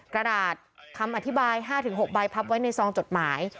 กระดาษคำอธิบาย๕๖ใบพับไว้ในซองจดหมาย